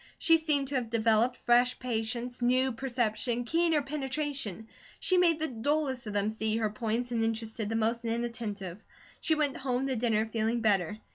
She seemed to have developed fresh patience, new perception, keener penetration; she made the dullest of them see her points, and interested the most inattentive. She went home to dinner feeling better.